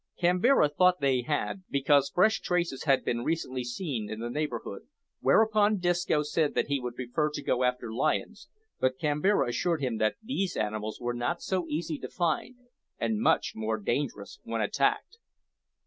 Kambira thought they had, because fresh traces had been recently seen in the neighbourhood, whereupon Disco said that he would prefer to go after lions, but Kambira assured him that these animals were not so easy to find, and much more dangerous when attacked.